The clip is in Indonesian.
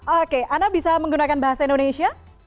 oke anda bisa menggunakan bahasa indonesia